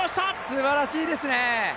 すばらしいですね。